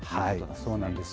そうなんです。